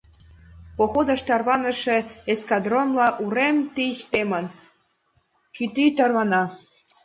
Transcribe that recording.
Походыш тарваныше эскадронла урем тич темын, кӱтӱ тарвана.